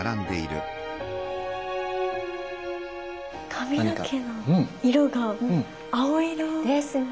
髪の毛の色がですね。